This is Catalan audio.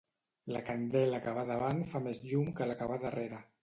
La candela que va davant fa més llum que la que va darrere.